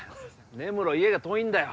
根室家が遠いんだよ・